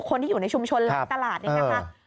คนที่อยู่ในชุมชนหลังตลาดนี่นะคะ